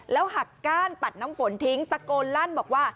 แล้วหักก้านปัดน้ำฝนทิ้งตะโกนลั่นบอกว่า